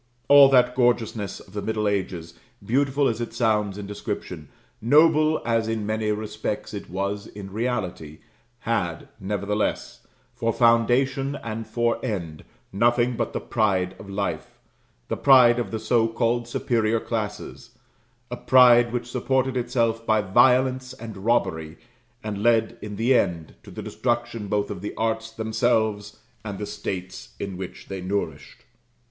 All that gorgeousness of the middle ages, beautiful as it sounds in description, noble as in many respects it was in reality, had, nevertheless, for foundation and for end, nothing but the pride of life the pride of the so called superior classes; a pride which supported itself by violence and robbery, and led in the end to the destruction both of the arts themselves and the States in which they nourished.